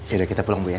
yaudah kita pulang bu ya